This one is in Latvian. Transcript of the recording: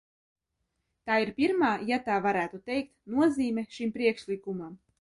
Tā ir pirmā, ja tā varētu teikt, nozīme šim priekšlikumam.